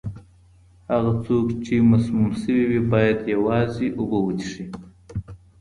هغه څوک چې مسموم شوی وي، باید یوازې اوبه وڅښي.